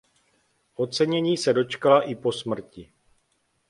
Ocenění se dočkala i po smrti.